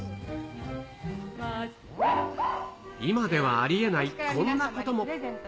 今ではありえないこんなことも。